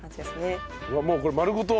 もうこれ丸ごと。